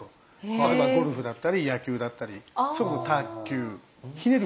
例えばゴルフだったり野球だったり卓球ひねる